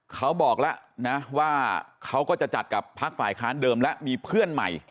เขาบอกแล้วนะว่าเขาก็จะจัดกับพักฝ่ายค้านเดิมแล้วมีเพื่อนใหม่